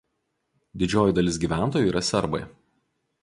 Didžioji dalis gyventojų yra serbai.